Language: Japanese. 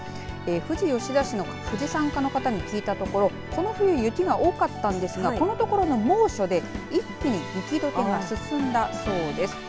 富士吉田市の富士山課の方に聞いたところこの冬、雪が多かったんですがこのところ猛暑で一気に雪どけが進んだそうです。